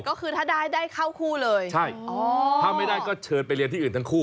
ก็คือถ้าได้ได้เข้าคู่เลยใช่อ๋อถ้าไม่ได้ก็เชิญไปเรียนที่อื่นทั้งคู่